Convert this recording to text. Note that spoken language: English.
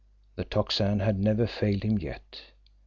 The Tocsin had never failed him yet.